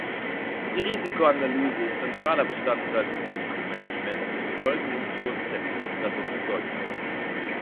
Die Risikoanalyse ist zentraler Bestandteil des Risikomanagements im Bevölkerungsschutz der Bundesrepublik Deutschland.